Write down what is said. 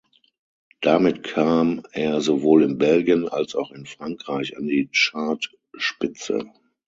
Damit kam er sowohl in Belgien als auch in Frankreich an die Chartspitze.